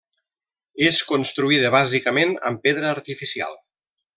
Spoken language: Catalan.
És construïda bàsicament amb pedra artificial.